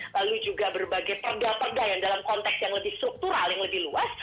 lalu juga berbagai perda perda yang dalam konteks yang lebih struktural yang lebih luas